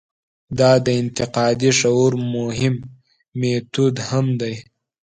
دا د انتقادي شعور مهم میتود هم دی.